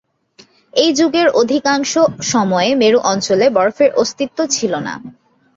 এই যুগের অধিকাংশ সময়ে মেরু অঞ্চলে বরফের অস্তিত্ব ছিল না।